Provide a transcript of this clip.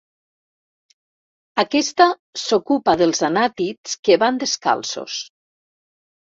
Aquesta s'ocupa dels anàtids que van descalços.